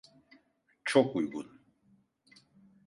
Çok uygun.